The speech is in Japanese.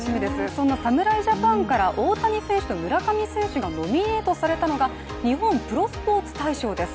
そんな侍ジャパンから大谷選手と村上選手がノミネートされたのが日本プロスポーツ大賞です。